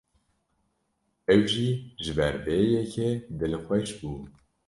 Ew jî ji ber vê yekê dilxweş bû.